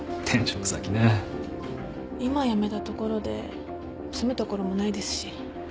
今辞めたところで住むところもないですし。